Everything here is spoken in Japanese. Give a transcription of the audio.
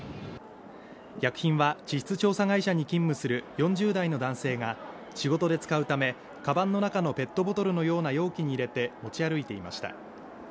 薬品は地質調査会社に勤務する４０代の男性が仕事で使うためカバンの中のペットボトルのような容器に入れて持ち歩いていました